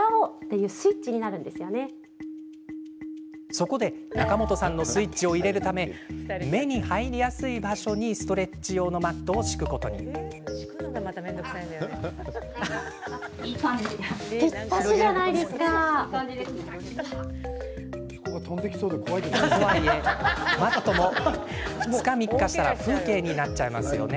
そこで中本さんのスイッチを入れるため目に入りやすい場所にストレッチ用のマットを敷くことに。とはいえマットも２、３日したら風景になっちゃいますよね。